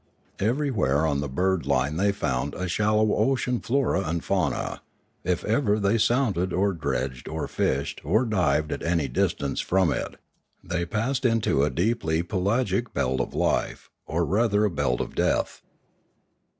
Everywhere on the bird line they found a shallow ocean flora and fauna; if ever they sounded or dredged or fished or dived at any distance from it, they passed into a deeply pelagic belt of life, or rather belt of death.